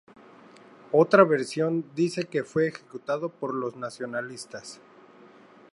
Otra versión dice que fue ejecutado por los nacionalistas.